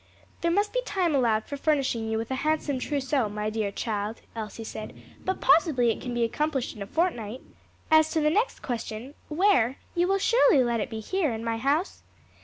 "There must be time allowed for furnishing you with a handsome trousseau, my dear child," Elsie said, "but possibly it can be accomplished in a fortnight. As to the next question where? you surely will let it be here, in my house?"